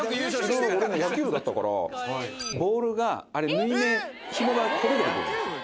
俺も野球部だったから、ボールがあれ、縫い目、ひもがほどけてくるんですよ。